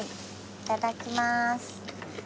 いただきます。